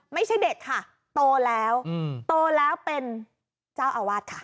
ไม่ใช่เด็กค่ะโตแล้วโตแล้วเป็นเจ้าอาวาสค่ะ